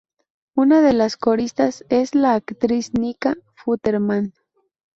Una de las coristas es la actriz Nika Futterman.